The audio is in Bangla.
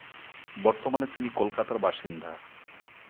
বর্তমানে তিনি কলকাতার বাসিন্দা।